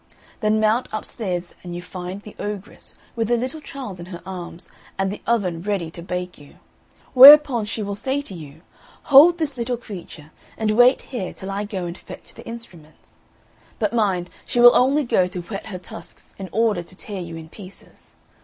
Then mount upstairs and you find the ogress, with a little child in her arms, and the oven ready heated to bake you. Whereupon she will say to you, Hold this little creature, and wait here till I go and fetch the instruments.' But mind she will only go to whet her tusks, in order to tear you in pieces.